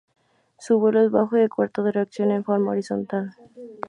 Su vuelo es bajo y de corta duración, en forma horizontal.